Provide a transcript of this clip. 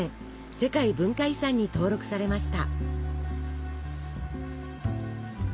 世界文化遺産に登録されました。